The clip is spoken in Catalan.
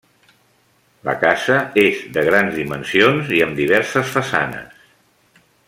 La casa és de grans dimensions i amb diverses façanes.